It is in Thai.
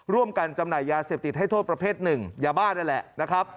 ร่วมกันจำหน่ายยาเสพติดให้โทษประเภท๑อย่าบ้านั่นแหละ